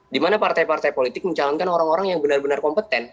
dimana partai partai politik mencalonkan orang orang yang benar benar kompeten